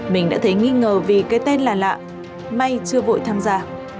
mình đã thấy nghi ngờ vì cái tên là lạ may chưa vội tham gia